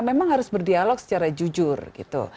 memang harus berdialog secara jujur gitu